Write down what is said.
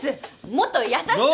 もっと優しく。